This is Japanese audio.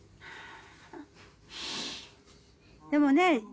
でもね。